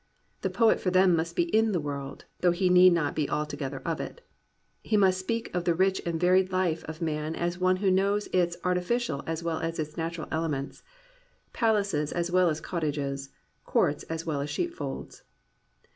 The poet for them must be in the world, though he need not be altogether of it. He must speak of the rich and varied life of man as one who knows its artificial as well as its natural elements, — ^palaces as well as cottages, courts as well as sheep folds.